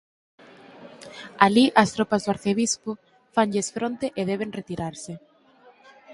Alí as tropas do arcebispo fanlles fronte e deben retirarse.